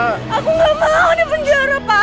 aku nggak mau di penjara pak